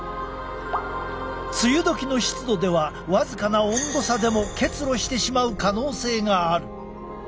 梅雨どきの湿度では僅かな温度差でも結露してしまう可能性がある。